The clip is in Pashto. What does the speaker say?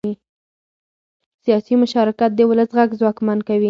سیاسي مشارکت د ولس غږ ځواکمن کوي